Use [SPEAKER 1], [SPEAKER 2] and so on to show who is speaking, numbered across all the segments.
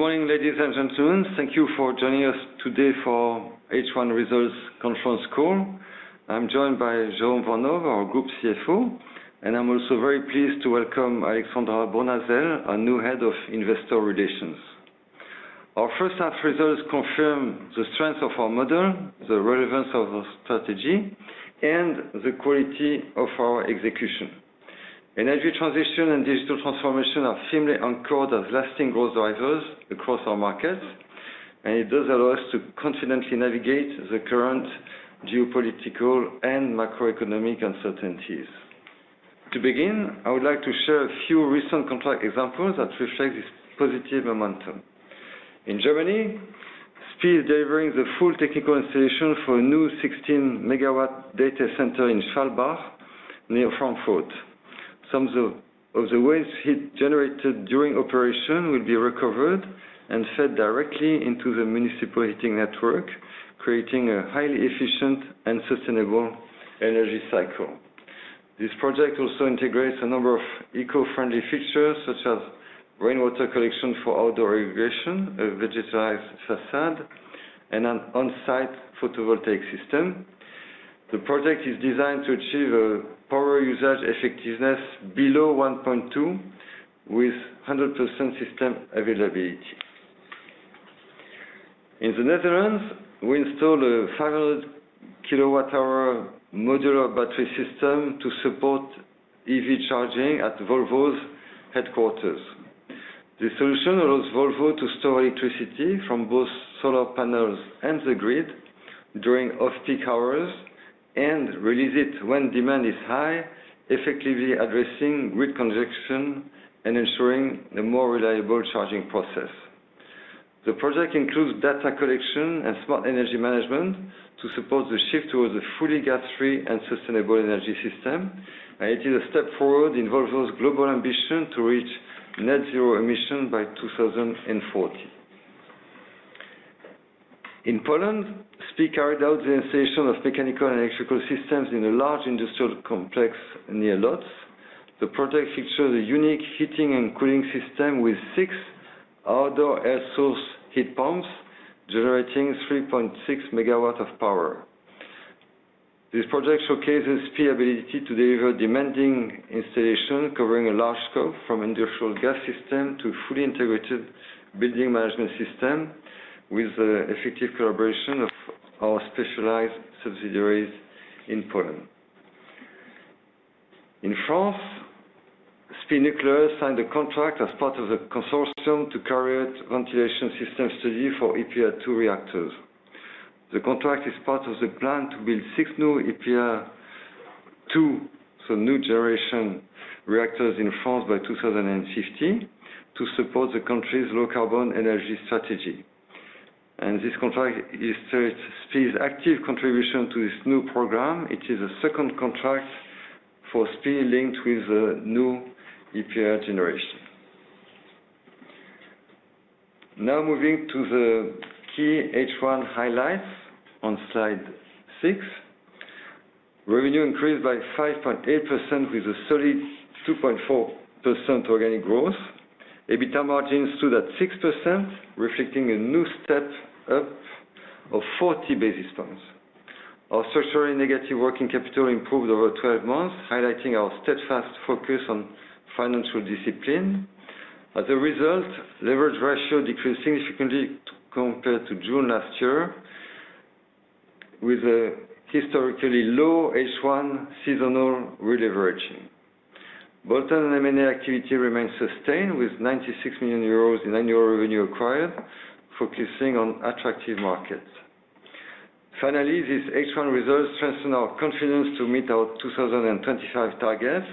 [SPEAKER 1] Good morning, ladies and gentlemen. Thank you for joining us today for the H1 Results Conference call. I'm joined by Jérôme Vanhove, our Group CFO, and I'm also very pleased to welcome Alexandra Bournazel, our new Head of Investor Relations. Our first half results confirm the strength of our model, the relevance of our strategy, and the quality of our execution. Energy transition and digital transformation are firmly anchored as lasting growth drivers across our markets, and it does allow us to confidently navigate the current geopolitical and macroeconomic uncertainties. To begin, I would like to share a few recent contract examples that reflect this positive momentum. In Germany, SPIE is delivering the full technical installation for a new 16 MW data center in Schwalbach, near Frankfurt. Some of the waste heat generated during operation will be recovered and fed directly into the municipal heating network, creating a highly efficient and sustainable energy cycle. This project also integrates a number of eco-friendly features such as rainwater collection for outdoor irrigation, a vegetarized facade, and an on-site photovoltaic system. The project is designed to achieve a power usage effectiveness below 1.2 with 100% system availability. In the Netherlands, we installed a 500 kWh modular battery system to support EV charging at Volvo's headquarters. This solution allows Volvo to store electricity from both solar panels and the grid during off-peak hours and release it when demand is high, effectively addressing grid congestion and ensuring a more reliable charging process. The project includes data collection and smart energy management to support the shift towards a fully gas-free and sustainable energy system, and it is a step forward in Volvo's global ambition to reach net zero emissions by 2040. In Poland, SPIE carried out the installation of mechanical and electrical systems in a large industrial complex near Lodz. The project features a unique heating and cooling system with six outdoor air source heat pumps generating 3.6 MW of power. This project showcases SPIE's ability to deliver demanding installations covering a large scope, from industrial gas systems to fully integrated building management systems, with the effective collaboration of our specialized subsidiaries in Poland. In France, SPIE Nucléaire signed a contract as part of the consortium to carry out a ventilation system study for EPR2 reactors. The contract is part of the plan to build six new EPR2, so new generation reactors, in France by 2025 to support the country's low-carbon energy strategy. This contract illustrates SPIE's active contribution to this new program. It is the second contract for SPIE linked with the new EPR generation. Now moving to the key H1 highlights on slide six, revenue increased by 5.8% with a solid 2.4% organic growth. EBITDA margin stood at 6%, reflecting a new step up of 40 basis points. Our structurally negative working capital improved over 12 months, highlighting our steadfast focus on financial discipline. As a result, leverage ratio decreased significantly compared to June last year, with a historically low H1 seasonal re-leveraging. Bottom line activity remains sustained with 96 million euros in annual revenue acquired, focusing on attractive markets. Finally, these H1 results strengthen our confidence to meet our 2025 targets.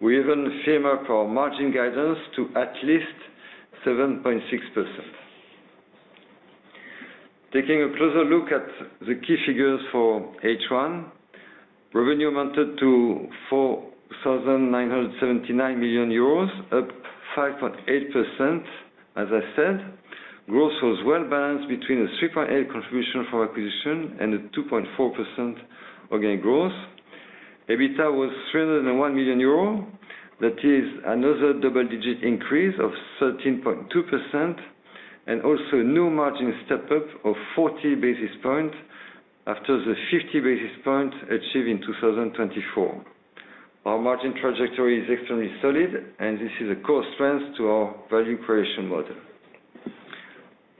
[SPEAKER 1] We even firm up our margin guidance to at least 7.6%. Taking a closer look at the key figures for H1, revenue amounted to 4,979 million euros, up 5.8%, as I said. Growth was well balanced between a 3.8% contribution from acquisition and a 2.4% organic growth. EBITDA was 301 million euro. That is another double-digit increase of 13.2% and also a new margin step up of 40 basis points after the 50 basis points achieved in 2024. Our margin trajectory is extremely solid, and this is a core strength to our value creation model.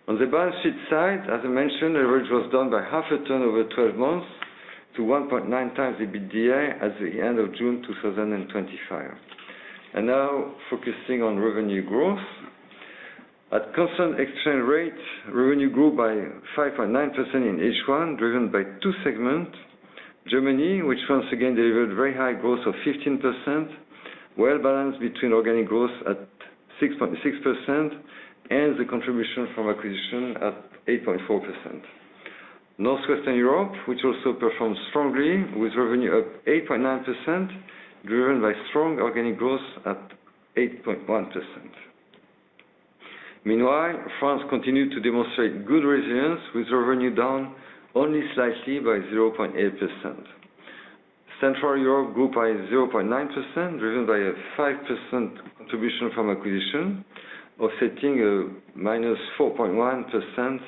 [SPEAKER 1] On the balance sheet side, as I mentioned, leverage was down by half a turn over 12 months to 1.9x EBITDA at the end of June 2025. Now focusing on revenue growth. At constant exchange rates, revenue grew by 5.9% in H1, driven by two segments: Germany, which once again delivered very high growth of 15%, well balanced between organic growth at 6.6% and the contribution from acquisition at 8.4%. Northwestern Europe also performed strongly, with revenue up 8.9%, driven by strong organic growth at 8.1%. Meanwhile, France continued to demonstrate good resilience with revenue down only slightly by 0.8%. Central Europe grew by 0.9%, driven by a 5% contribution from acquisition, offsetting a minus 4.1%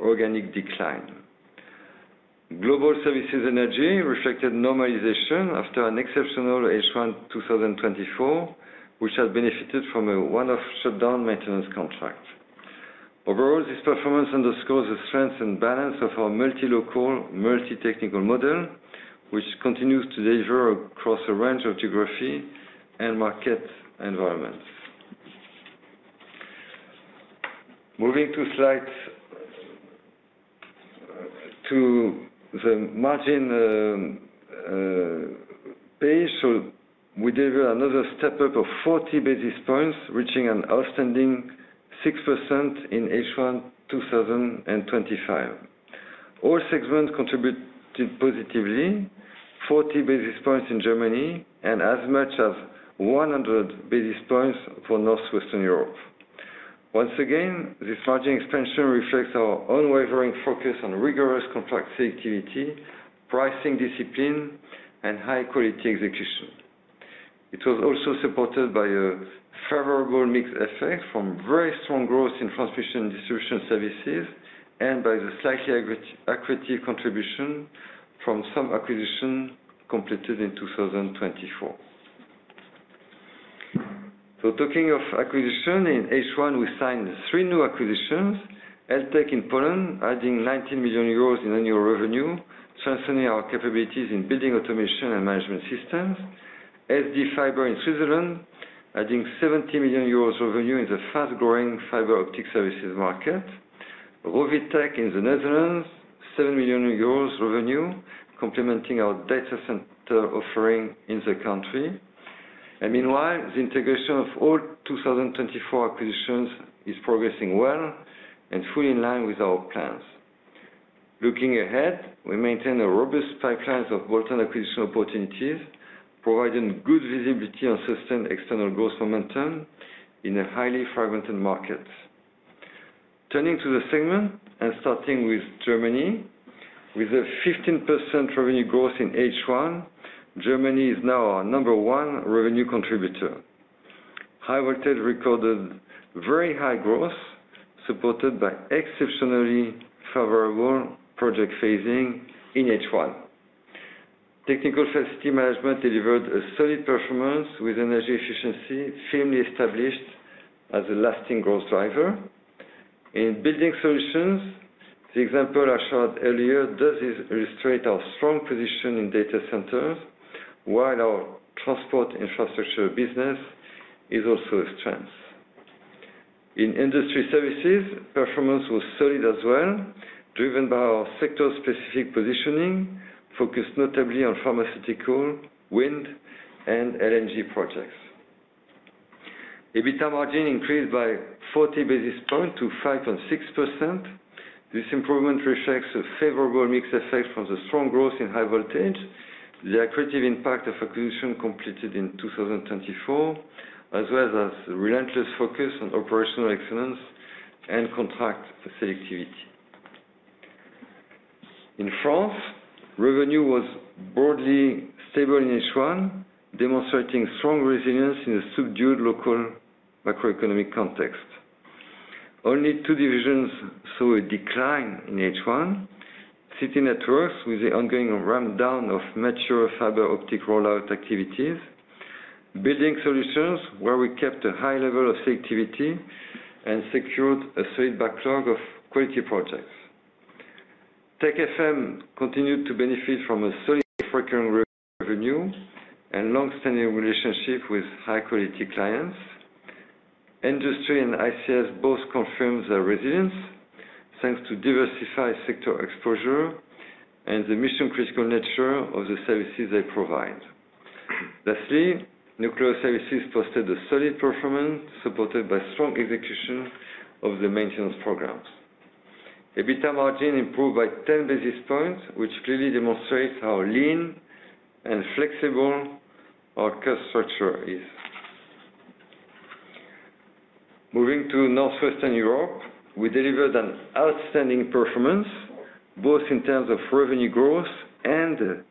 [SPEAKER 1] organic decline. Global services energy reflected normalization after an exceptional H1 2024, which had benefited from a one-off shutdown maintenance contract. Overall, this performance underscores the strength and balance of our multilocal, multi-technical model, which continues to deliver across a range of geography and market environments. Moving to slide to the margin page, we delivered another step up of 40 basis points, reaching an outstanding 6% in H1 2025. All segments contributed positively: 40 basis points in Germany and as much as 100 basis points for Northwestern Europe. Once again, this margin expansion reflects our unwavering focus on rigorous contract selectivity, pricing discipline, and high-quality execution. It was also supported by a favorable mix effect from very strong growth in transmission and distribution services and by the slightly accretive contribution from some acquisitions completed in 2024. Talking of acquisition, in H1, we signed three new acquisitions: LTECH in Poland, adding 19 million euros in annual revenue, strengthening our capabilities in building automation and management systems; SD Fiber in Switzerland, adding 70 million euros revenue in the fast-growing fiber optic services market; Rovitech in the Netherlands, 7 million euros revenue, complementing our data center offering in the country. Meanwhile, the integration of all 2024 acquisitions is progressing well and fully in line with our plans. Looking ahead, we maintain a robust pipeline of bottom acquisition opportunities, providing good visibility on sustained external growth momentum in a highly fragmented market. Turning to the segment and starting with Germany, with a 15% revenue growth in H1, Germany is now our number one revenue contributor. High voltage recorded very high growth, supported by exceptionally favorable project phasing in H1. Technical facility management delivered a solid performance with energy efficiency firmly established as a lasting growth driver. In building solutions, the example I showed earlier does illustrate our strong position in data centers, while our transport infrastructure business is also a strength. In industry services, performance was solid as well, driven by our sector-specific positioning, focused notably on pharmaceutical, wind, and LNG projects. EBITDA margin increased by 40 basis points to 5.6%. This improvement reflects a favorable mix effect from the strong growth in high voltage, the accretive impact of acquisitions completed in 2024, as well as the relentless focus on operational excellence and contract selectivity. In France, revenue was broadly stable in H1, demonstrating strong resilience in a subdued local macroeconomic context. Only two divisions saw a decline in H1: City Networks, with the ongoing ramp-down of mature fiber optic rollout activities; Building Solutions, where we kept a high level of selectivity and secured a solid backlog of quality projects. TechFM continued to benefit from a solid recurring revenue and long-standing relationship with high-quality clients. Industry and ICS both confirmed their resilience thanks to diversified sector exposure and the mission-critical nature of the services they provide. Lastly, Nuclear Services posted a solid performance supported by strong execution of the maintenance programs. EBITDA margin improved by 10 basis points, which clearly demonstrates how lean and flexible our core structure is. Moving to Northwestern Europe, we delivered an outstanding performance both in terms of revenue growth and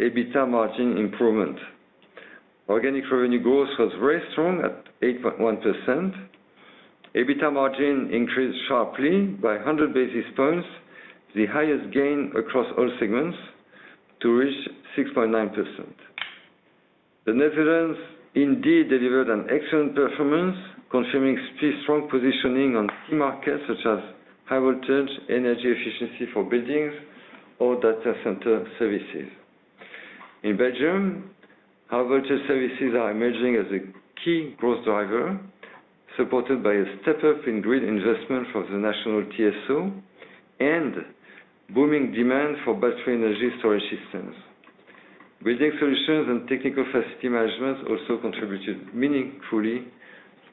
[SPEAKER 1] EBITDA margin improvement. Organic revenue growth was very strong at 8.1%. EBITDA margin increased sharply by 100 basis points, the highest gain across all segments, to reach 6.9%. The Netherlands indeed delivered an excellent performance, confirming SPIE's strong positioning on key markets such as high voltage, energy efficiency for buildings, or data center services. In Belgium, high voltage services are emerging as a key growth driver, supported by a step up in grid investment from the national TSO and booming demand for battery energy storage systems. Building solutions and technical facility management also contributed meaningfully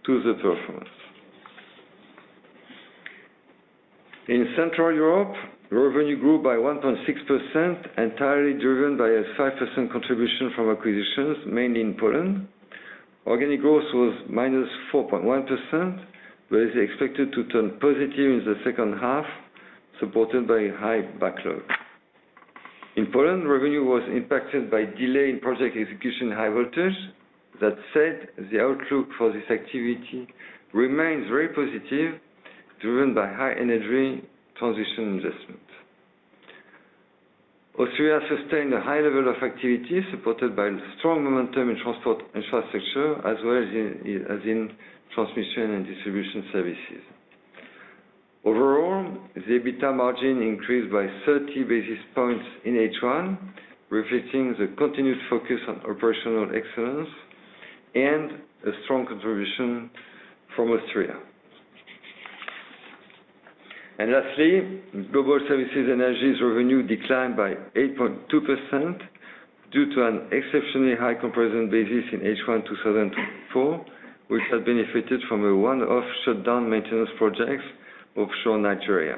[SPEAKER 1] to the performance. In Central Europe, revenue grew by 1.6%, entirely driven by a 5% contribution from acquisitions, mainly in Poland. Organic growth was -4.1%, but is expected to turn positive in the second half, supported by a high backlog. In Poland, revenue was impacted by delay in project execution in high voltage. That said, the outlook for this activity remains very positive, driven by high energy transition investment. Austria sustained a high level of activity, supported by strong momentum in transport infrastructure, as well as in transmission and distribution services. Overall, the EBITDA margin increased by 30 basis points in H1, reflecting the continued focus on operational excellence and a strong contribution from Austria. Lastly, Global Services Energy's revenue declined by 8.2% due to an exceptionally high comparison basis in H1 2024, which had benefited from a one-off shutdown maintenance project offshore Nigeria.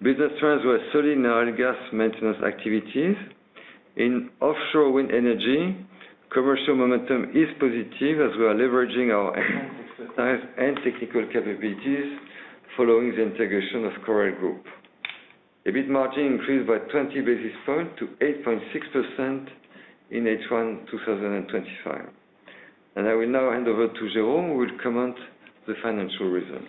[SPEAKER 1] Business trends were solid in oil and gas maintenance activities. In offshore wind energy, commercial momentum is positive as we are leveraging our enhanced expertise and technical capabilities following the integration of Corel Group. EBITDA margin increased by 20 basis points to 8.6% in H1 2025. I will now hand over to Jérôme, who will comment the financial results.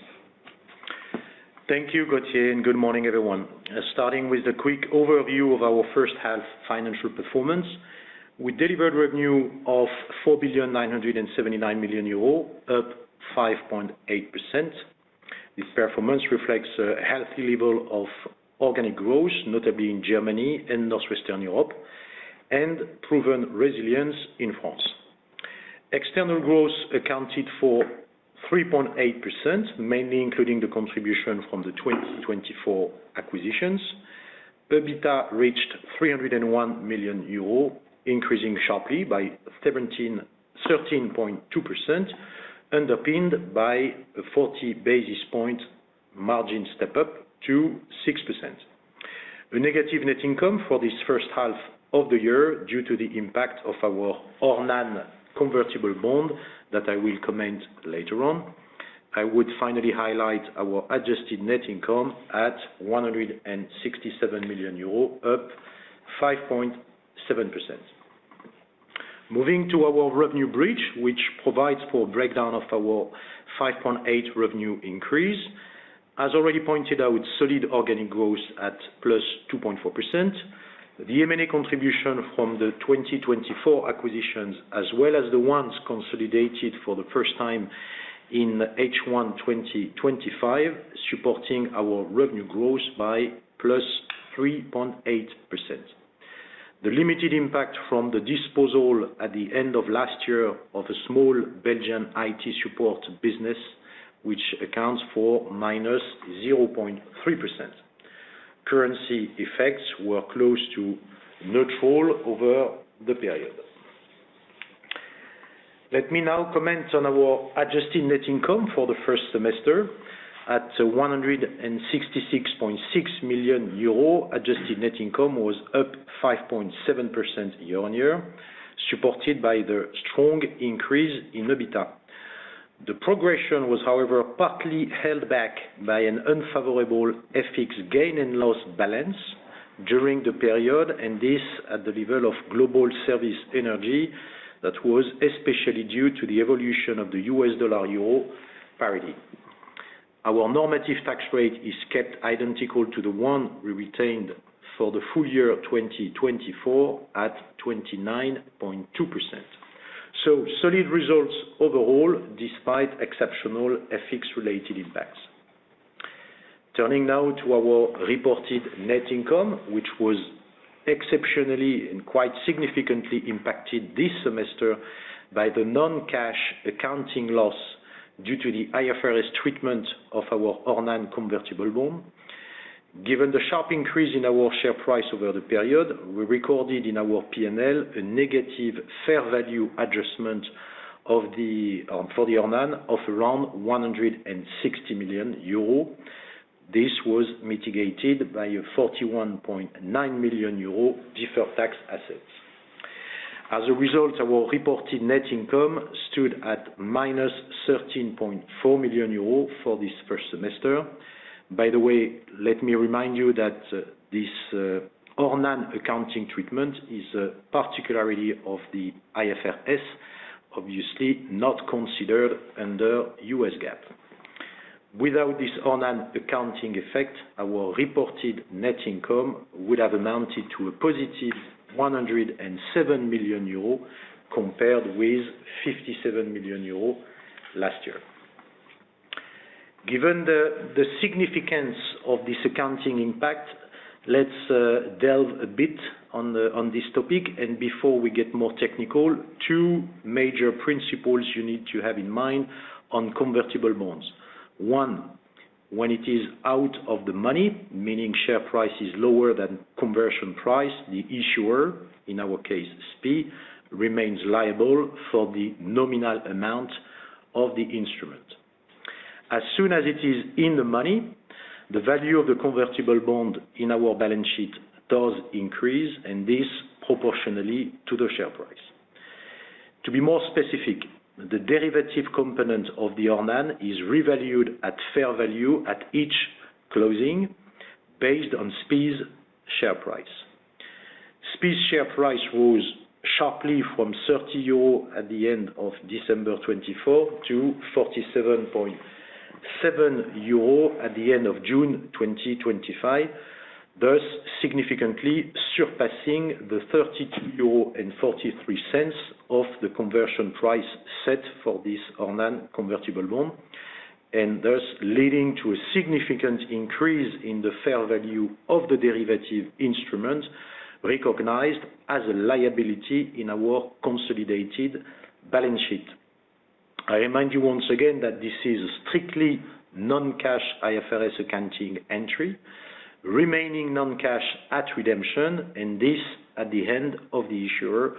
[SPEAKER 2] Thank you, Gauthier, and good morning, everyone. Starting with a quick overview of our first half financial performance, we delivered revenue of 4.979 billion euro up 5.8%. This performance reflects a healthy level of organic growth, notably in Germany and Northwestern Europe, and proven resilience in France. External growth accounted for 3.8%, mainly including the contribution from the 2024 acquisitions. EBITDA reached 301 million euros increasing sharply by 13.2%, underpinned by a 40 basis point margin step up to 6%. A negative net income for this first half of the year due to the impact of our Ornan convertible bond that I will comment later on. I would finally highlight our adjusted net income at 167 million euros, up 5.7%. Moving to our revenue bridge, which provides for a breakdown of our 5.8% revenue increase, as already pointed out, solid organic growth at +2.4%. The M&A contribution from the 2024 acquisitions, as well as the ones consolidated for the first time in H1 2025, supporting our revenue growth by +3.8%. The limited impact from the disposal at the end of last year of a small Belgian IT support business, which accounts for -0.3%. Currency effects were close to neutral over the period. Let me now comment on our adjusted net income for the first semester. At 166.6 million euro adjusted net income was up 5.7% year-on-year, supported by the strong increase in EBITDA. The progression was, however, partly held back by an unfavorable FX gain and loss balance during the period, and this at the level of Global Service Energy, that was especially due to the evolution of the U.S. dollar euro parity. Our normative tax rate is kept identical to the one we retained for the full year 2024 at 29.2%. Solid results overall, despite exceptional FX-related impacts. Turning now to our reported net income, which was exceptionally and quite significantly impacted this semester by the non-cash accounting loss due to the IFRS treatment of our Ornan convertible bond. Given the sharp increase in our share price over the period, we recorded in our P&L a negative fair value adjustment for the Ornan of around 160 million euro This was mitigated by 41.9 million euro, deferred tax assets. As a result, our reported net income stood at minus 13.4 million euros for this first semester. By the way, let me remind you that this Ornan accounting treatment is a particularity of the IFRS, obviously not considered under U.S. GAAP. Without this Ornan accounting effect, our reported net income would have amounted to a +107 million euros compared with 57 million euros last year. Given the significance of this accounting impact, let's delve a bit on this topic. Before we get more technical, two major principles you need to have in mind on convertible bonds. One, when it is out of the money, meaning share price is lower than conversion price, the issuer, in our case SPIE, remains liable for the nominal amount of the instrument. As soon as it is in the money, the value of the convertible bond in our balance sheet does increase, and this proportionally to the share price. To be more specific, the derivative component of the Ornan is revalued at fair value at each closing based on SPIE's share price. SPIE's share price rose sharply from 30 euro at the end of December 2024 to 47.7 euro at the end of June 2025, thus significantly surpassing the 32.43 euro of the conversion price set for this Ornan convertible bond, and thus leading to a significant increase in the fair value of the derivative instrument recognized as a liability in our consolidated balance sheet. I remind you once again that this is a strictly non-cash IFRS accounting entry, remaining non-cash at redemption, and this at the hand of the issuer.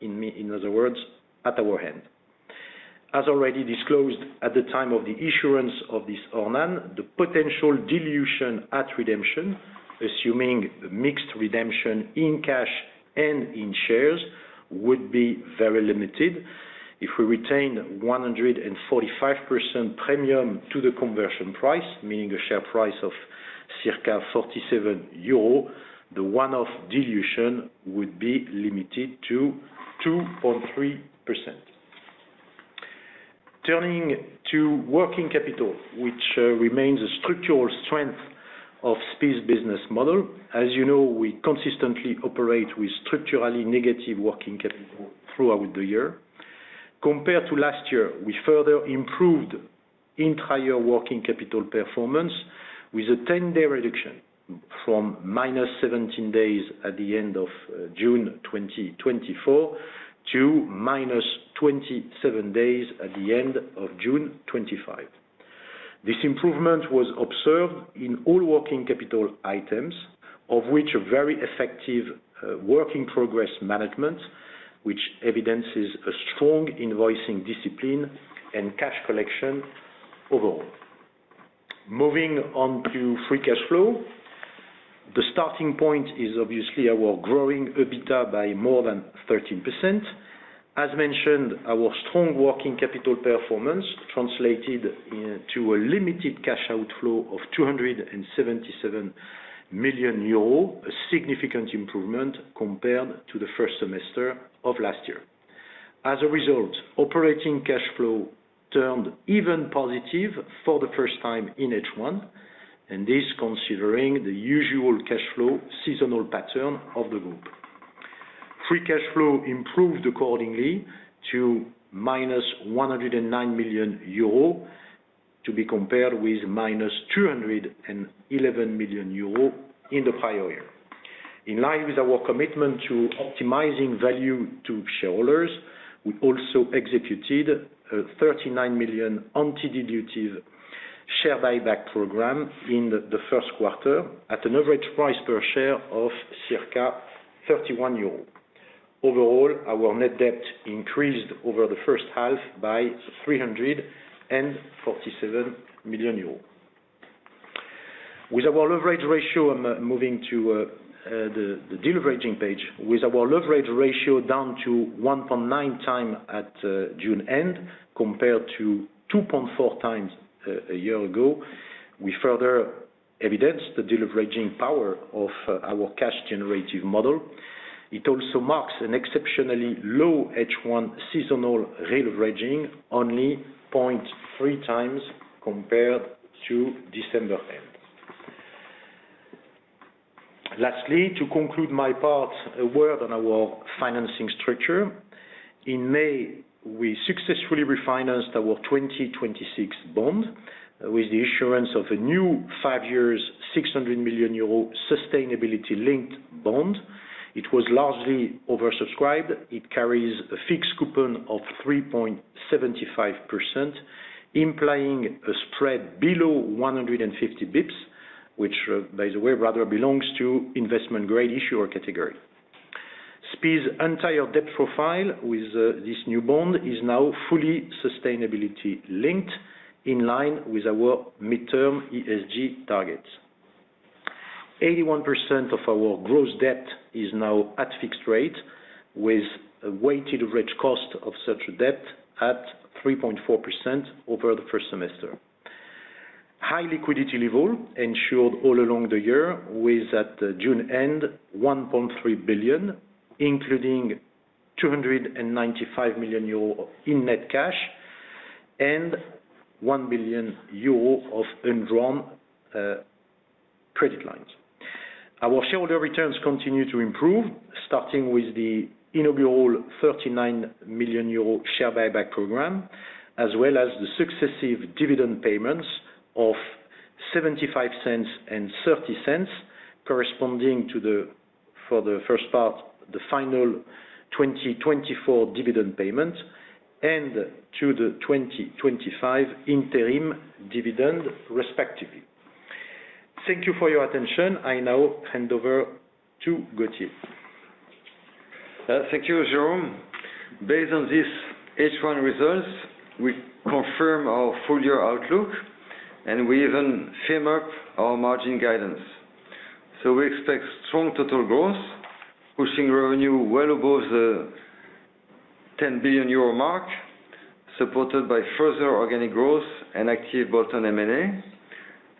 [SPEAKER 2] In other words, at our hand. As already disclosed at the time of the issuance of this Ornan, the potential dilution at redemption, assuming a mixed redemption in cash and in shares, would be very limited. If we retain 145% premium to the conversion price, meaning a share price of circa 47 euro, the one-off dilution would be limited to 2.3%. Turning to working capital, which remains a structural strength of SPIE's business model. As you know, we consistently operate with structurally negative working capital throughout the year. Compared to last year, we further improved the entire working capital performance with a 10-day reduction from -17 days at the end of June 2024 to -27 days at the end of June 2025. This improvement was observed in all working capital items, of which a very effective working progress management, which evidences a strong invoicing discipline and cash collection overall. Moving on to free cash flow, the starting point is obviously our growing EBITDA by more than 13%. As mentioned, our strong working capital performance translated into a limited cash outflow of 277 million euros, a significant improvement compared to the first semester of last year. As a result, operating cash flow turned even positive for the first time in H1, and this is considering the usual cash flow seasonal pattern of the group. Free cash flow improved accordingly to -109 million euros, to be compared with -211 million euros in the prior year. In line with our commitment to optimizing value to shareholders, we also executed a 39 million antidilutive share buyback program in the first quarter at an average price per share of circa 31 euro. Overall, our net debt increased over the first half by 347 million euro. With our leverage ratio, I'm moving to the deleveraging page. With our leverage ratio down to 1.9x at June end, compared to 2.4x a year ago, we further evidence the deleveraging power of our cash-generative model. It also marks an exceptionally low H1 seasonal re-leveraging, only 0.3x compared to December end. Lastly, to conclude my part, a word on our financing structure. In May, we successfully refinanced our 2026 bond with the issuance of a new five-year 600 million euro sustainability-linked bond. It was largely oversubscribed. It carries a fixed coupon of 3.75%, implying a spread below 150 bps, which, by the way, rather belongs to investment-grade issuer category. SPIE's entire debt profile with this new bond is now fully sustainability-linked, in line with our midterm ESG targets. 81% of our gross debt is now at fixed rate, with a weighted average cost of such a debt at 3.4% over the first semester. High liquidity level ensured all along the year, with at June end 1.3 billion, including 295 million euro in net cash and 1 billion euro of undrawn credit lines. Our shareholder returns continue to improve, starting with the inaugural 39 million euro share buyback program, as well as the successive dividend payments of 0.75 and 0.30, corresponding to the, for the first part, the final 2024 dividend payment and to the 2025 interim dividend, respectively. Thank you for your attention. I now hand over to Gauthier.
[SPEAKER 1] Thank you, Jérôme. Based on these H1 results, we confirm our full-year outlook, and we even firm up our margin guidance. We expect strong total growth, pushing revenue well above the 10 billion euro mark, supported by further organic growth and active bottom M&A.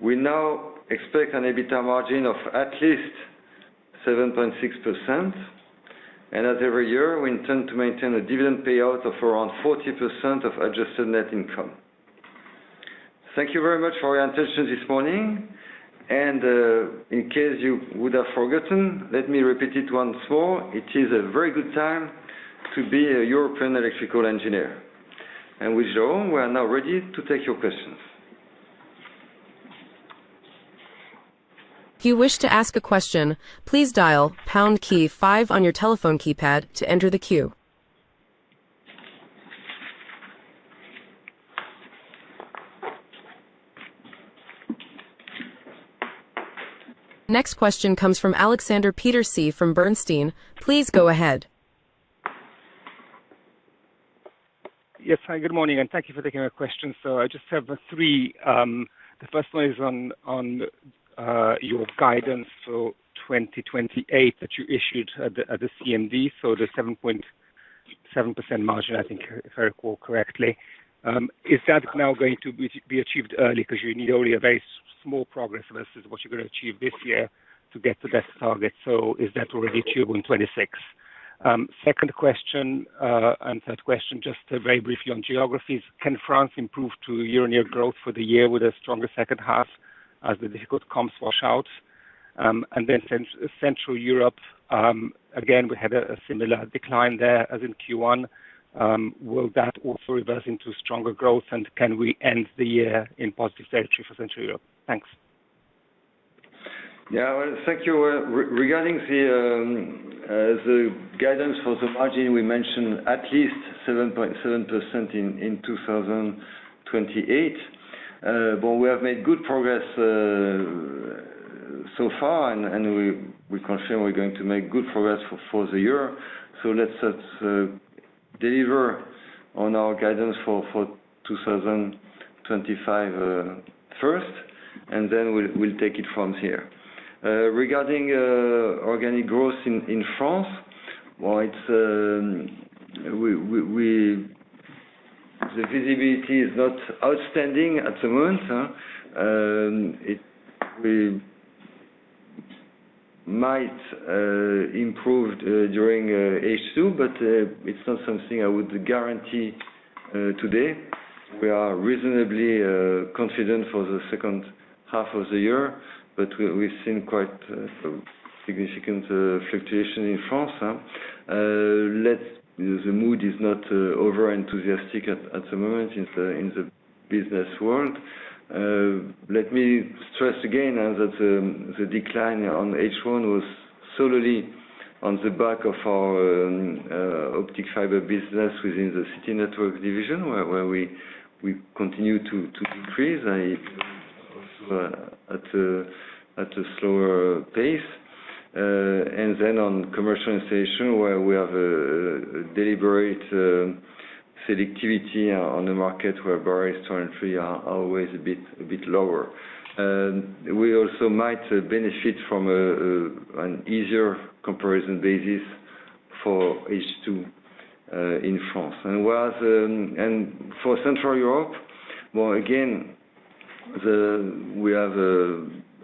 [SPEAKER 1] We now expect an EBITDA margin of at least 7.6%. As every year, we intend to maintain a dividend payout of around 40% of adjusted net income. Thank you very much for your attention this morning. In case you would have forgotten, let me repeat it once more. It is a very good time to be a European electrical engineer. With Jérôme, we are now ready to take your questions.
[SPEAKER 3] If you wish to ask a question, please dial pound key five on your telephone keypad to enter the queue. Next question comes from Alexander Peterc from Bernstein. Please go ahead.
[SPEAKER 4] Yes, hi, good morning, and thank you for taking my question. I just have three. The first one is on your guidance for 2028 that you issued at the CMD, so the 7.7% margin, I think, if I recall correctly. Is that now going to be achieved early because you need only a very small progress versus what you're going to achieve this year to get to that target? Is that already achievable in 2026? Second question, and third question, just very briefly on geographies. Can France improve to year-on-year growth for the year with a stronger second half as the difficult comms wash out? Central Europe, again, we had a similar decline there as in Q1. Will that also reverse into stronger growth, and can we end the year in positive territory for Central Europe? Thanks.
[SPEAKER 1] Yeah, thank you. Regarding the guidance for the margin, we mentioned at least 7.7% in 2028. We have made good progress so far, and we confirm we're going to make good progress for the year. Let's deliver on our guidance for 2025 first, and then we'll take it from here. Regarding organic growth in France, the visibility is not outstanding at the moment. It might improve during H2, but it's not something I would guarantee today. We are reasonably confident for the second half of the year, but we've seen quite a significant fluctuation in France. The mood is not overenthusiastic at the moment in the business world. Let me stress again that the decline on H1 was solely on the back of our optic fiber business within the City Network division, where we continue to decrease, also at a slower pace. Then on commercialization, we have a deliberate selectivity on the market where barriers to entry are always a bit lower. We also might benefit from an easier comparison basis for H2 in France. For Central Europe, we have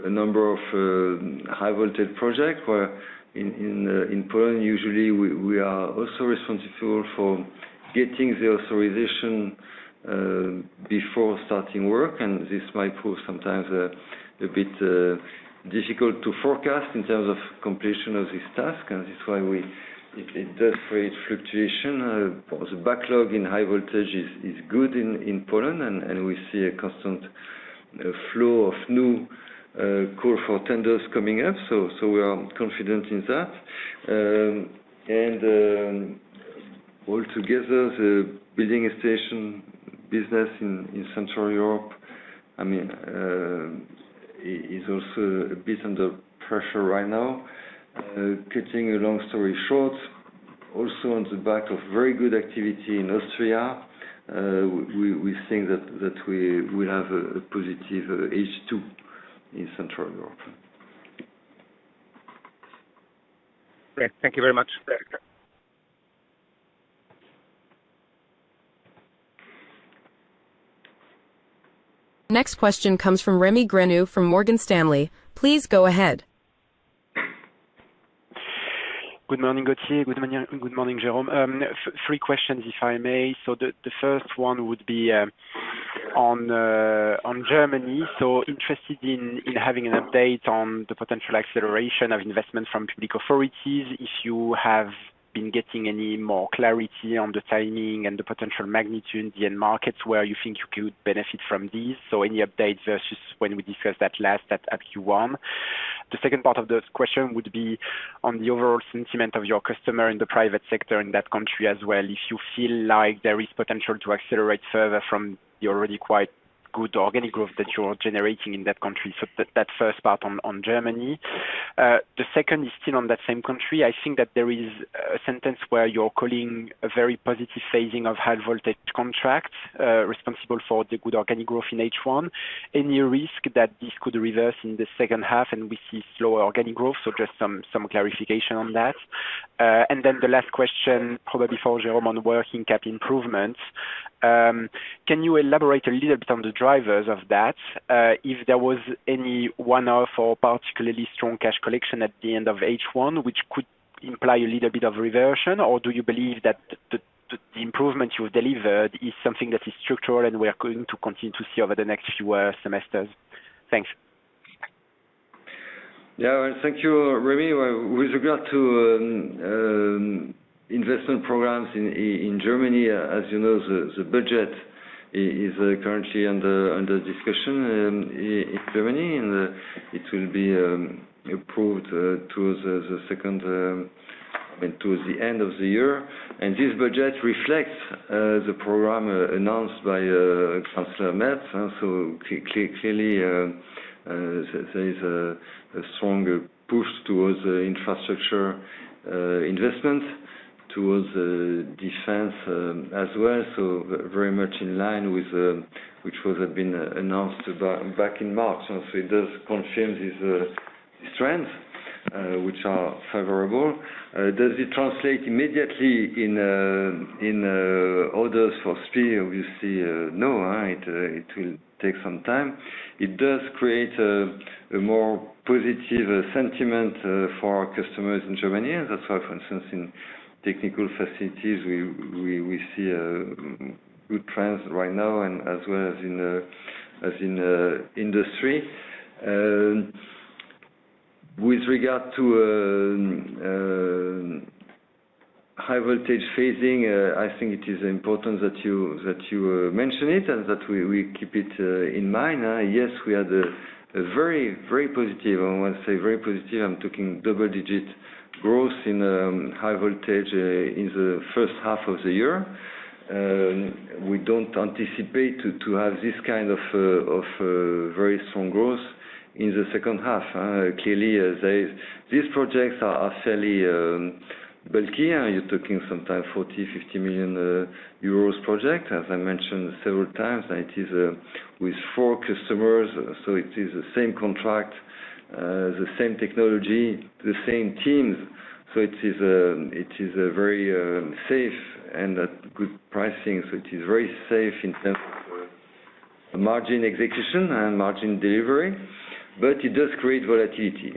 [SPEAKER 1] a number of high voltage projects where in Poland usually we are also responsible for getting the authorization before starting work. This might prove sometimes a bit difficult to forecast in terms of completion of this task, and that's why it does create fluctuation. The backlog in high voltage is good in Poland, and we see a constant flow of new calls for tenders coming up. We are confident in that. Altogether, the building solutions business in Central Europe is also a bit under pressure right now. Cutting a long story short, also on the back of very good activity in Austria, we think that we will have a positive H2 in Central Europe.
[SPEAKER 4] Great. Thank you very much.
[SPEAKER 3] Next question comes from Rémi Grenu from Morgan Stanley. Please go ahead.
[SPEAKER 5] Good morning, Gauthier. Good morning, Jérôme. Three questions, if I may. The first one would be on Germany. Interested in having an update on the potential acceleration of investment from public authorities. If you have been getting any more clarity on the timing and the potential magnitude in markets where you think you could benefit from these. Any update versus when we discussed that last at Q1. The second part of the question would be on the overall sentiment of your customer in the private sector in that country as well. If you feel like there is potential to accelerate further from the already quite good organic growth that you're generating in that country. That first part on Germany. The second is still on that same country. I think that there is a sentence where you're calling a very positive phasing of high voltage contracts responsible for the good organic growth in H1. Any risk that this could reverse in the second half and we see slower organic growth? Just some clarification on that. The last question, probably for Jérôme, on working cap improvements. Can you elaborate a little bit on the drivers of that? If there was any one-off or particularly strong cash collection at the end of H1, which could imply a little bit of reversion, or do you believe that the improvement you delivered is something that is structural and we are going to continue to see over the next few semesters? Thanks.
[SPEAKER 1] Yeah, thank you, Rémi. With regard to investment programs in Germany, as you know, the budget is currently under discussion in Germany, and it will be approved towards the end of the year. This budget reflects the program announced by Chancellor Merz. Clearly, there is a strong push towards infrastructure investment, towards defense as well. Very much in line with what had been announced back in March. It does confirm these trends, which are favorable. Does it translate immediately in orders for SPIE? Obviously, no. It will take some time. It does create a more positive sentiment for our customers in Germany. That's why, for instance, in technical facilities, we see good trends right now, as well as in the industry. With regard to high voltage phasing, I think it is important that you mention it and that we keep it in mind. Yes, we had a very, very positive, I want to say very positive, I'm talking double-digit growth in high voltage in the first half of the year. We don't anticipate to have this kind of very strong growth in the second half. Clearly, these projects are fairly bulky. You're talking sometimes 40 million euros, 50 million euros project. As I mentioned several times, it is with four customers. It is the same contract, the same technology, the same teams. It is very safe and at good pricing. It is very safe in terms of margin execution and margin delivery. It does create volatility.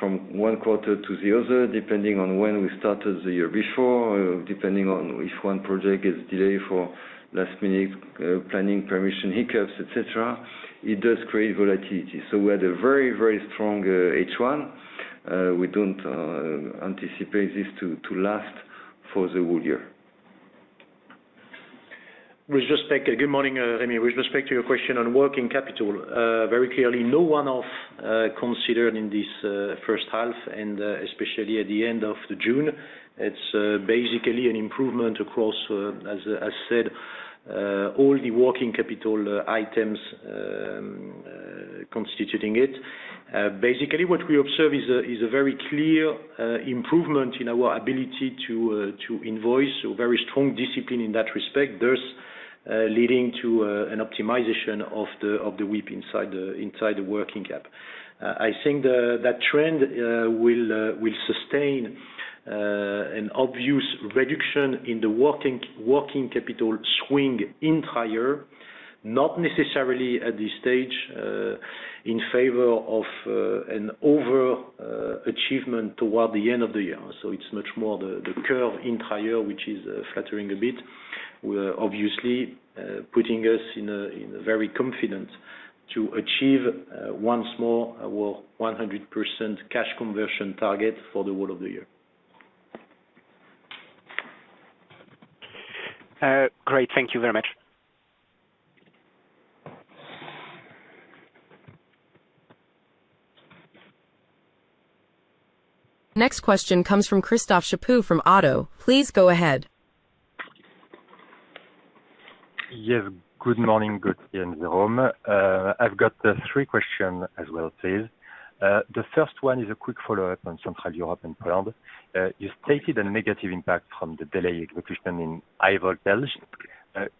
[SPEAKER 1] From one quarter to the other, depending on when we started the year before, depending on if one project gets delayed for last minute planning permission hiccups, etc., it does create volatility. We had a very, very strong H1. We don't anticipate this to last for the whole year.
[SPEAKER 2] With respect to, good morning, Rémi. With respect to your question on working capital, very clearly, no one-off considered in this first half, and especially at the end of June. It's basically an improvement across, as I said, all the working capital items constituting it. Basically, what we observe is a very clear improvement in our ability to invoice, so very strong discipline in that respect, thus leading to an optimization of the WIP inside the working cap. I think that trend will sustain an obvious reduction in the working capital swing in trier, not necessarily at this stage in favor of an overachievement toward the end of the year. It's much more the curve in trier, which is flattering a bit, obviously putting us in a very confident to achieve once more our 100% cash conversion target for the whole of the year.
[SPEAKER 5] Great. Thank you very much.
[SPEAKER 3] Next question comes from Christophe Chapeau from ODDO. Please go ahead.
[SPEAKER 6] Yes, good morning, Gauthier and Jérôme. I've got three questions as well, please. The first one is a quick follow-up on Central Europe and Poland. You stated a negative impact from the delayed execution in high voltage.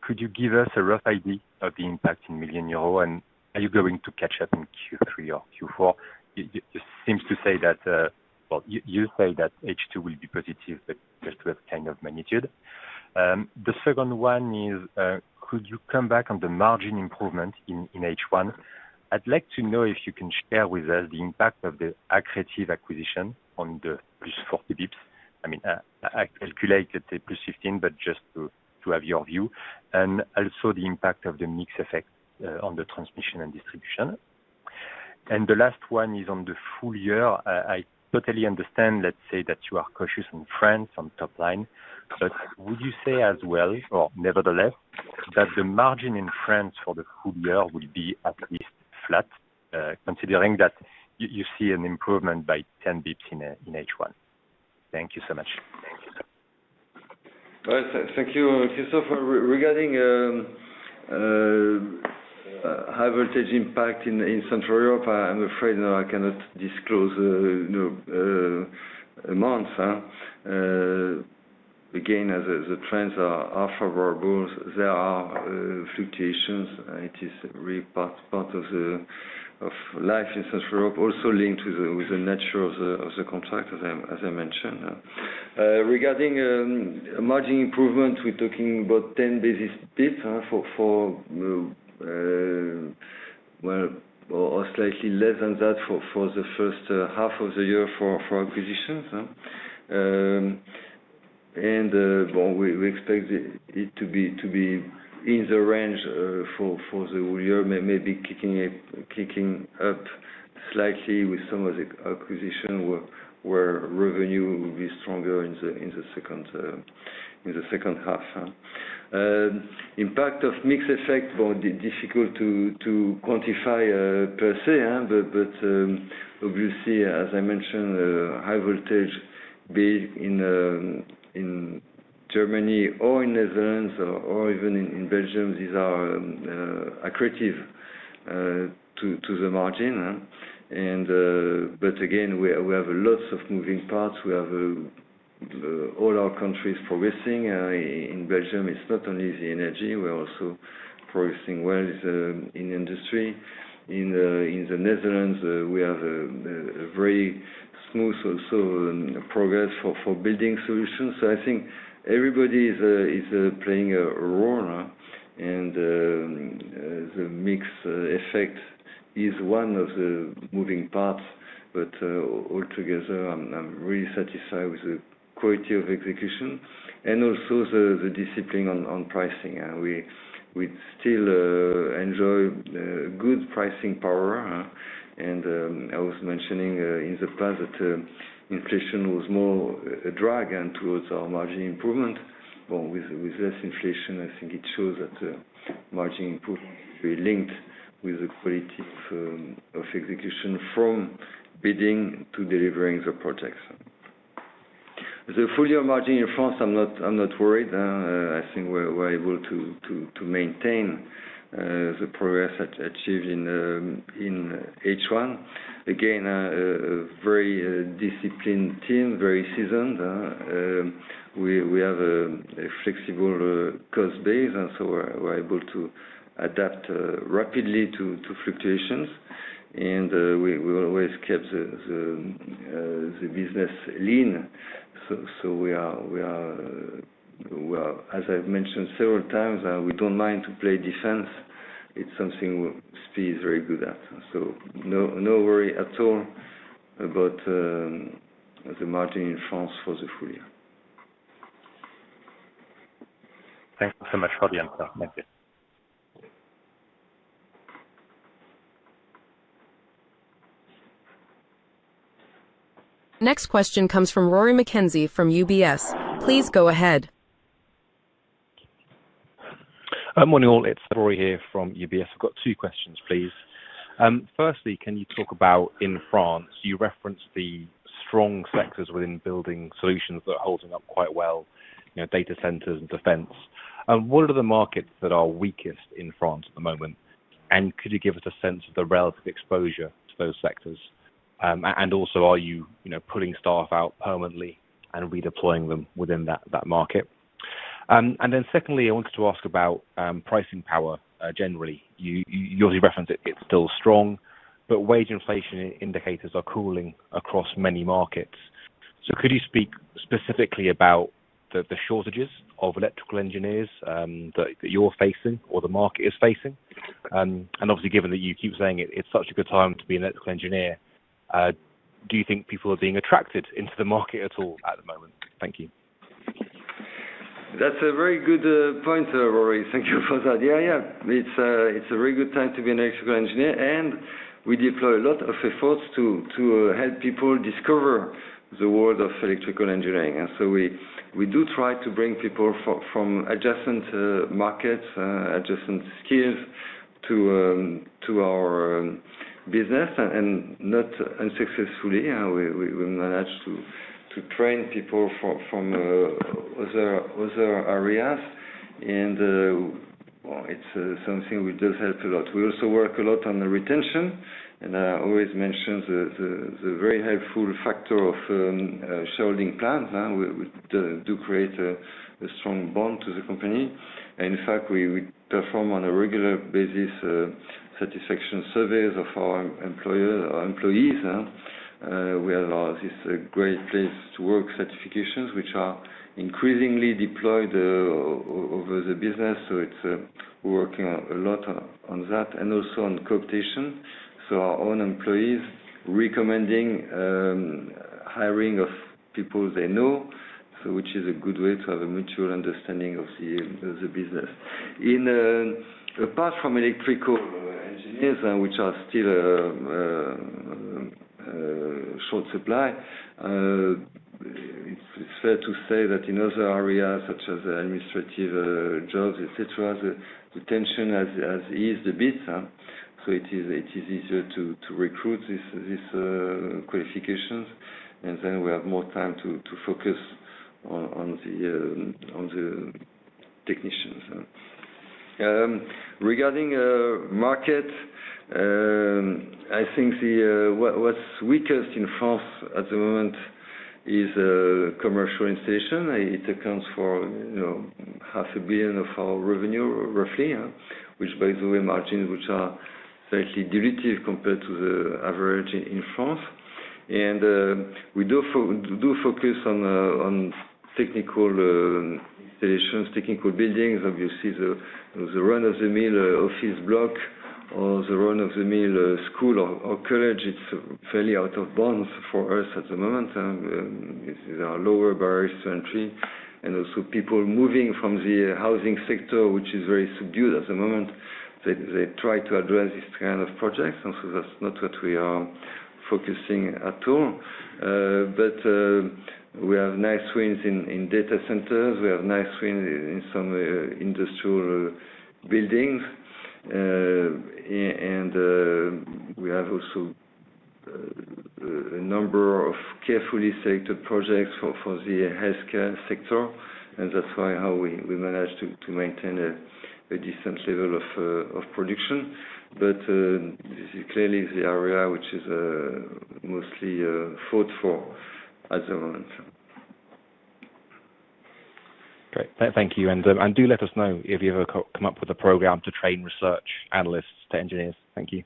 [SPEAKER 6] Could you give us a rough idea of the impact in million euros, and are you going to catch up in Q3 or Q4? You say that H2 will be positive, but just to have a kind of magnitude. The second one is, could you come back on the margin improvement in H1? I'd like to know if you can share with us the impact of the accretive acquisition on the plus 40 bps. I mean, I calculate that the plus 15, but just to have your view. Also, the impact of the mixed effect on the transmission and distribution. The last one is on the full year. I totally understand, let's say, that you are cautious on France on top line. Would you say as well, or nevertheless, that the margin in France for the full year will be at least flat, considering that you see an improvement by 10 bps in H1? Thank you so much.
[SPEAKER 1] Thank you, Christophe. Regarding high voltage impact in Central Europe, I'm afraid I cannot disclose months. Again, as the trends are favorable, there are fluctuations. It is a real part of life in Central Europe, also linked with the nature of the contract, as I mentioned. Regarding margin improvement, we're talking about 10 basis points or slightly less than that for the first half of the year for acquisitions. We expect it to be in the range for the whole year, maybe kicking up slightly with some of the acquisitions where revenue will be stronger in the second half. Impact of mixed effect, difficult to quantify per se, but obviously, as I mentioned, high voltage, be it in Germany or in the Netherlands or even in Belgium, these are accretive to the margin. We have lots of moving parts. We have all our countries progressing. In Belgium, it's not only the energy. We're also progressing well in the industry. In the Netherlands, we have a very smooth progress for building solutions. I think everybody is playing a role, and the mixed effect is one of the moving parts. Altogether, I'm really satisfied with the quality of execution and also the discipline on pricing. We still enjoy good pricing power. I was mentioning in the past that inflation was more a drag towards our margin improvement. With less inflation, I think it shows that the margin improvement is very linked with the quality of execution from bidding to delivering the projects. The full-year margin in France, I'm not worried. I think we're able to maintain the progress achieved in H1. Again, a very disciplined team, very seasoned. We have a flexible cost base, and we're able to adapt rapidly to fluctuations. We always kept the business lean. As I've mentioned several times, we don't mind to play defense. It's something SPIE is very good at. No worry at all about the margin in France for the full year.
[SPEAKER 6] Thank you so much, Gauthier. Thank you.
[SPEAKER 3] Next question comes from Rory McKenzie from UBS. Please go ahead.
[SPEAKER 7] Good morning all. It's Rory here from UBS. I've got two questions, please. Firstly, can you talk about in France, you referenced the strong sectors within building solutions that are holding up quite well, you know, data centers and defense. What are the markets that are weakest in France at the moment? Could you give us a sense of the relative exposure to those sectors? Also, are you, you know, pulling staff out permanently and redeploying them within that market? Secondly, I wanted to ask about pricing power generally. You already referenced it's still strong, but wage inflation indicators are cooling across many markets. Could you speak specifically about the shortages of electrical engineers that you're facing or the market is facing? Obviously, given that you keep saying it's such a good time to be an electrical engineer, do you think people are being attracted into the market at all at the moment? Thank you.
[SPEAKER 1] That's a very good point, Rory. Thank you for that. Yeah, yeah. It's a very good time to be an electrical engineer. We deploy a lot of efforts to help people discover the world of electrical engineering. We do try to bring people from adjacent markets, adjacent skills to our business, and not unsuccessfully. We manage to train people from other areas, and it's something which does help a lot. We also work a lot on the retention. I always mention the very helpful factor of shareholding plans. We do create a strong bond to the company. In fact, we perform on a regular basis satisfaction surveys of our employees. Our employees, we have this Great Place to Work certifications, which are increasingly deployed over the business. We're working a lot on that and also on cooptation, so our own employees recommending hiring of people they know, which is a good way to have a mutual understanding of the business. Apart from electrical engineers, which are still short supply, it's fair to say that in other areas, such as administrative jobs, etc., the tension has eased a bit. It is easier to recruit these qualifications, and then we have more time to focus on the technicians. Regarding market, I think what's weakest in France at the moment is commercial installation. It accounts for 0.5 billion of our revenue, roughly, with margins which are slightly dilutive compared to the average in France. We do focus on technical installations, technical buildings. Obviously, the run-of-the-mill office block or the run-of-the-mill school or college, it's fairly out of bounds for us at the moment. It's our lower barriers to entry. Also, people moving from the housing sector, which is very subdued at the moment, try to address this kind of projects. That's not what we are focusing at all. We have nice wins in data centers. We have nice wins in some industrial buildings. We have also a number of carefully selected projects for the healthcare sector. That's why we manage to maintain a decent level of production. This is clearly the area which is mostly fought for at the moment.
[SPEAKER 7] Great. Thank you. Do let us know if you ever come up with a program to train research analysts to engineers. Thank you.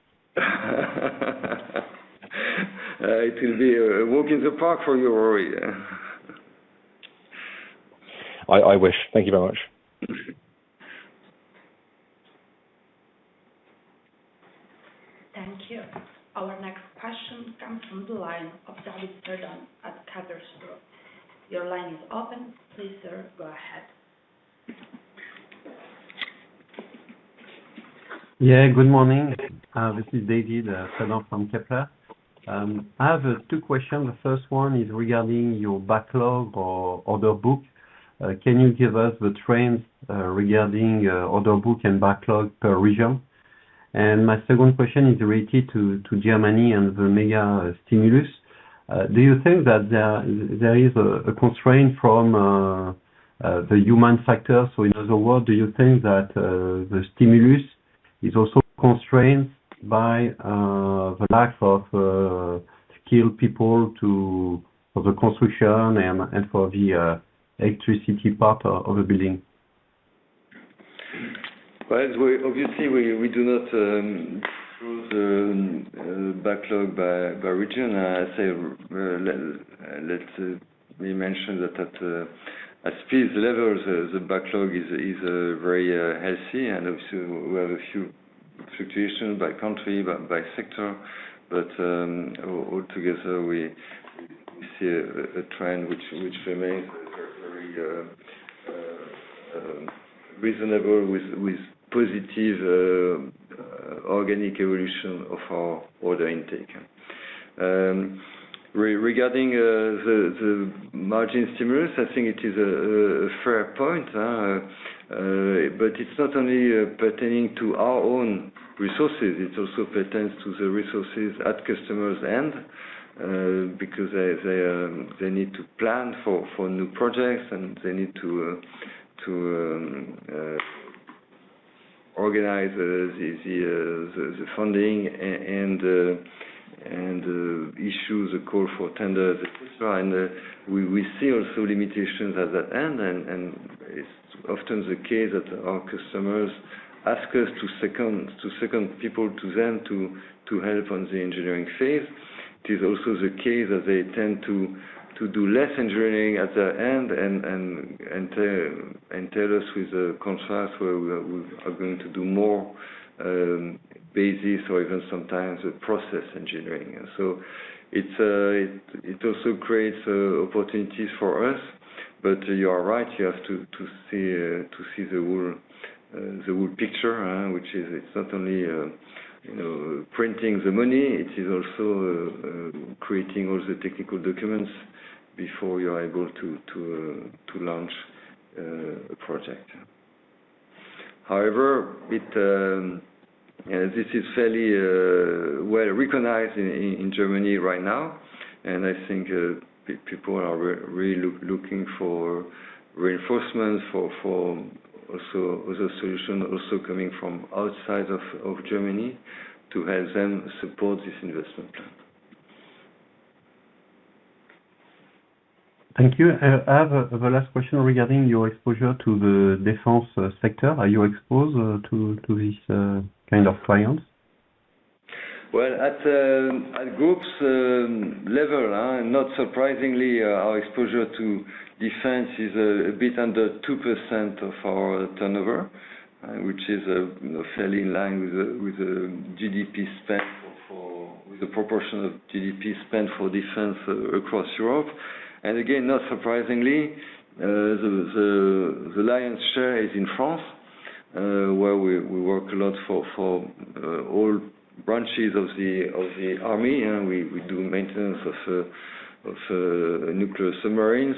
[SPEAKER 1] It will be a walk in the park for you, Rory.
[SPEAKER 7] Thank you very much.
[SPEAKER 3] Thank you. Our next question comes from the line of David Cerdan at Kepler Cheuvreux. Your line is open. Please, sir, go ahead.
[SPEAKER 8] Yeah, good morning. This is David Cerdan from Kepler. I have two questions. The first one is regarding your backlog or order book. Can you give us the trends regarding order book and backlog per region? My second question is related to Germany and the mega stimulus. Do you think that there is a constraint from the human factor? In other words, do you think that the stimulus is also constrained by the lack of skilled people for the construction and for the electricity part of the building?
[SPEAKER 1] Obviously, we do not choose the backlog by region. Let me mention that at SPIE's level, the backlog is very healthy. We have a few fluctuations by country, by sector, but altogether, we see a trend which remains very reasonable with positive organic evolution of our order intake. Regarding the margin stimulus, I think it is a fair point. It's not only pertaining to our own resources. It also pertains to the resources at customers' end because they need to plan for new projects and they need to organize the funding and issue the call for tenders, etc. We see also limitations at that end. It's often the case that our customers ask us to second people to them to help on the engineering phase. It is also the case that they tend to do less engineering at the end and tell us with a contract where we are going to do more basis or even sometimes process engineering. It also creates opportunities for us. You are right. You have to see the whole picture, which is it's not only printing the money. It is also creating all the technical documents before you are able to launch a project. However, this is fairly well recognized in Germany right now. I think people are really looking for reinforcements for other solutions also coming from outside of Germany to help them support this investment plan.
[SPEAKER 8] Thank you. I have a last question regarding your exposure to the defense sector. Are you exposed to these kinds of clients?
[SPEAKER 1] At the group's level, not surprisingly, our exposure to defense is a bit under 2% of our turnover, which is fairly in line with the percent of GDP spent for defense across Europe. Not surprisingly, the lion's share is in France, where we work a lot for all branches of the army. We do maintenance of nuclear submarines.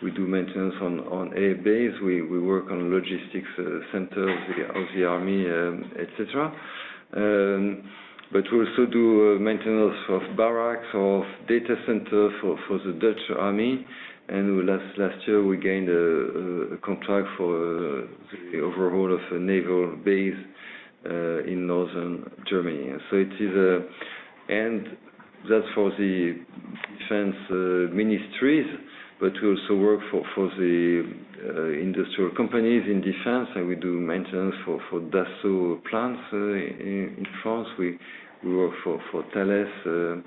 [SPEAKER 1] We do maintenance on air bases. We work on logistics centers of the army, etc. We also do maintenance of barracks or of data centers for the Dutch army. Last year, we gained a contract for the overhaul of a naval base in northern Germany. It is for the defense ministries. We also work for the industrial companies in defense. We do maintenance for Dassault plants in France. We work for Thales,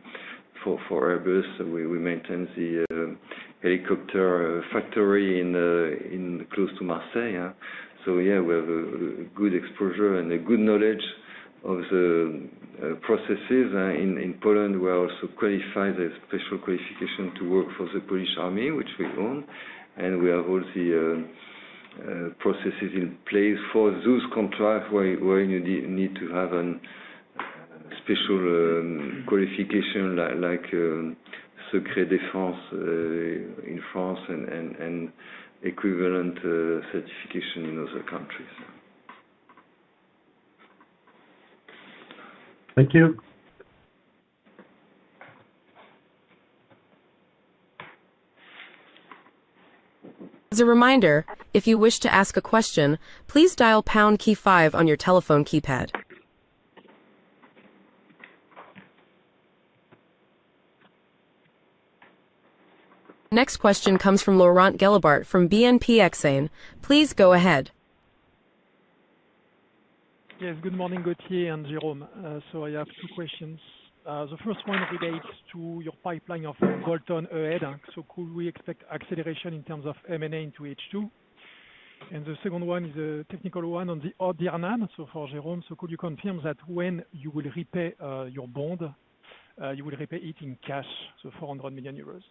[SPEAKER 1] for Airbus. We maintain the helicopter factory close to Marseille. We have a good exposure and a good knowledge of the processes. In Poland, we are also qualified, a special qualification to work for the Polish army, which we own. We have all the processes in place for those contracts where you need to have a special qualification like Secret Défense in France and equivalent certification in other countries.
[SPEAKER 8] Thank you.
[SPEAKER 3] A reminder, if you wish to ask a question, please dial pound key five on your telephone keypad. Next question comes from Laurent Guillemard from BNP Exane. Please go ahead.
[SPEAKER 9] Yes, good morning, Gauthier and Jérôme. I have two questions. The first one relates to your pipeline of bottom M&A. Could we expect acceleration in terms of M&A into H2? The second one is a technical one on the M&A, for Jérôme. Could you confirm that when you will repay your bond, you will repay it in cash, so 400 million euros?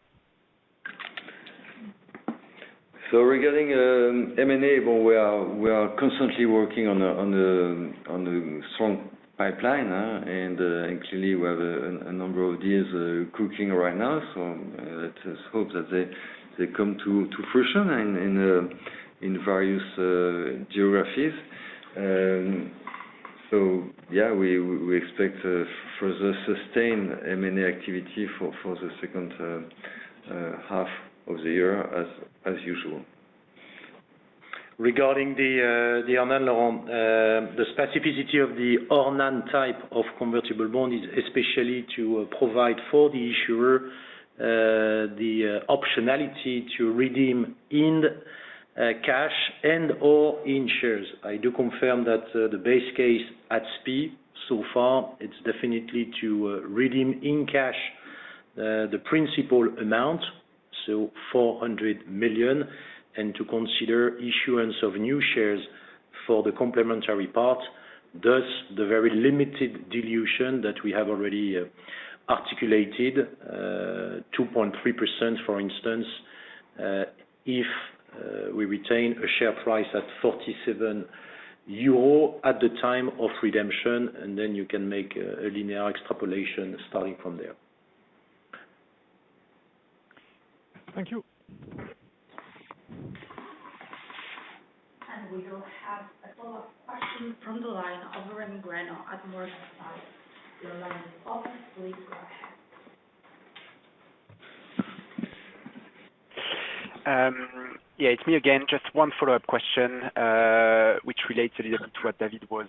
[SPEAKER 1] Regarding M&A, we are constantly working on a strong pipeline. Clearly, we have a number of deals cooking right now. Let's hope that they come to fruition in various geographies. We expect further sustained M&A activity for the second half of the year as usual.
[SPEAKER 2] Regarding the Ornan, Laurent, the specificity of the Ornan type of convertible bond is especially to provide for the issuer the optionality to redeem in cash and/or in shares. I do confirm that the base case at SPIE, so far, it's definitely to redeem in cash the principal amount, so 400 million, and to consider issuance of new shares for the complementary part, thus the very limited dilution that we have already articulated, 2.3%, for instance, if we retain a share price at 47 euro at the time of redemption. You can make a linear extrapolation starting from there.
[SPEAKER 9] Thank you.
[SPEAKER 3] We don't have a follow-up question from the line of Rémi Grenu at Morgan Stanley. Your line is open. Please go ahead.
[SPEAKER 5] Yeah, it's me again. Just one follow-up question, which relates a little bit to what David was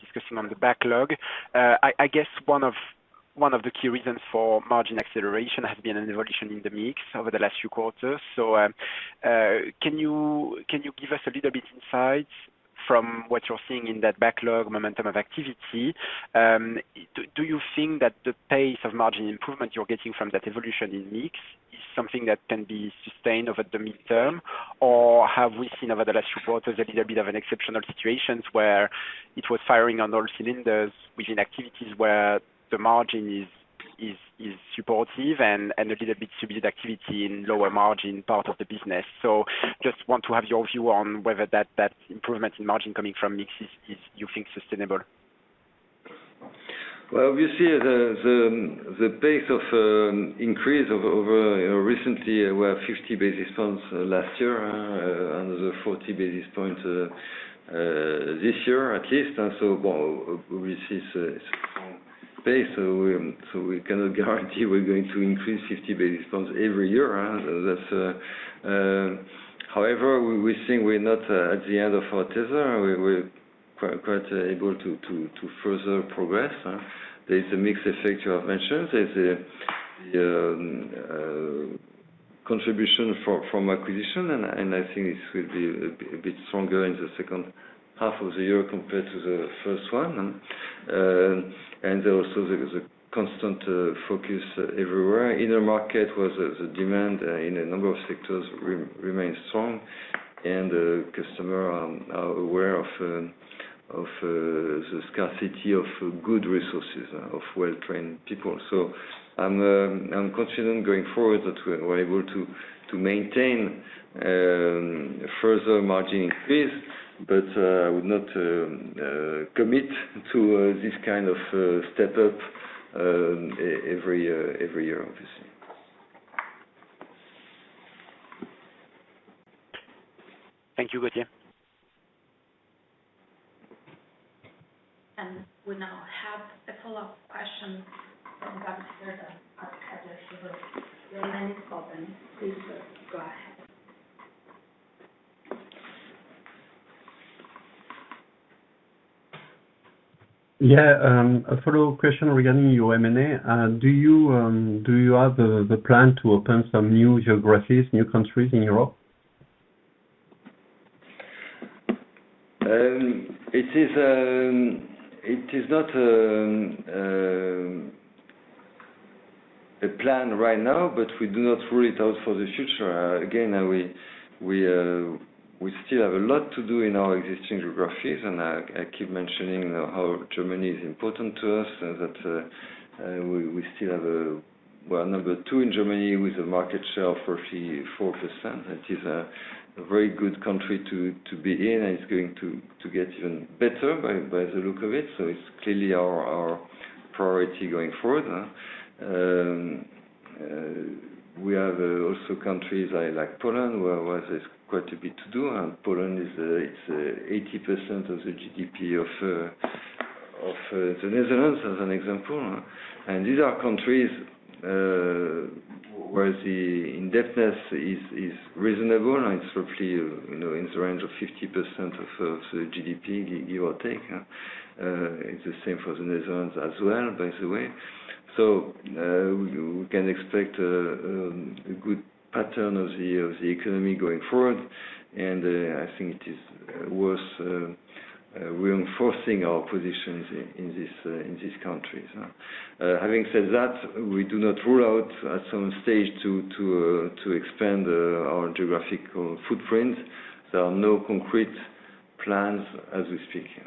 [SPEAKER 5] discussing on the backlog. I guess one of the key reasons for margin acceleration has been an evolution in the mix over the last few quarters. Can you give us a little bit of insights from what you're seeing in that backlog momentum of activity? Do you think that the pace of margin improvement you're getting from that evolution in mix is something that can be sustained over the midterm? Have we seen over the last few quarters a little bit of an exceptional situation where it was firing on all cylinders within activities where the margin is supportive and a little bit of subdued activity in lower margin part of the business? I just want to have your view on whether that improvement in margin coming from mix is, you think, sustainable.
[SPEAKER 1] Obviously, the pace of increase recently, we're at 50 basis points last year and 40 basis points this year, at least. It's a strong pace. We cannot guarantee we're going to increase 50 basis points every year. However, we think we're not at the end of our tether. We're quite able to further progress. There is a mixed effect you have mentioned. There's a contribution from acquisition, and I think this will be a bit stronger in the second half of the year compared to the first one. There's also the constant focus everywhere. In our market, the demand in a number of sectors remains strong. Customers are aware of the scarcity of good resources of well-trained people. I'm confident going forward that we're able to maintain further margin increase, but I would not commit to this kind of step-up every year, obviously.
[SPEAKER 5] Thank you, Gauthier.
[SPEAKER 3] We now have a follow-up question from David Cerdan at Kepler Cheuvreux. Your line is open. Please go ahead.
[SPEAKER 8] Yeah, a follow-up question regarding your M&A. Do you have the plan to open some new geographies, new countries in Europe?
[SPEAKER 1] It is not a plan right now, but we do not rule it out for the future. Again, we still have a lot to do in our existing geographies. I keep mentioning how Germany is important to us and that we still have a, we're number two in Germany with a market share of roughly 4%. It is a very good country to be in, and it's going to get even better by the look of it. It's clearly our priority going forward. We have also countries like Poland, where there's quite a bit to do. Poland, it's 80% of the GDP of the Netherlands, as an example. These are countries where the in-depthness is reasonable. It's roughly in the range of 50% of the GDP, give or take. It's the same for the Netherlands as well, by the way. We can expect a good pattern of the economy going forward. I think it is worth reinforcing our positions in these countries. Having said that, we do not rule out at some stage to expand our geographical footprint. There are no concrete plans as we speak here.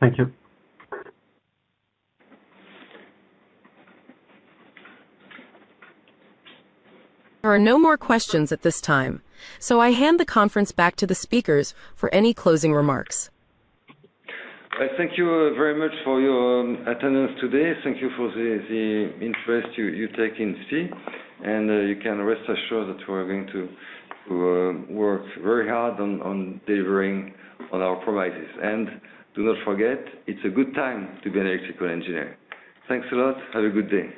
[SPEAKER 8] Thank you.
[SPEAKER 3] There are no more questions at this time. I hand the conference back to the speakers for any closing remarks.
[SPEAKER 1] Thank you very much for your attendance today. Thank you for the interest you take in SPIE. You can rest assured that we're going to work very hard on delivering on our promises. Do not forget, it's a good time to be an electrical engineer. Thanks a lot. Have a good day.